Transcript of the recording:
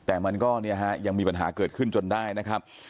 แต่มันก็เนี่ยฮะยังมีปัญหาเกิดขึ้นจนได้นะครับ